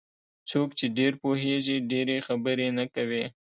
څوک چې ډېر پوهېږي ډېرې خبرې نه کوي.